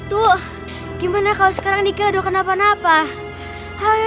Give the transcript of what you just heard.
lepas henri prosesi orang lain mengerjakan pertimbangan wungan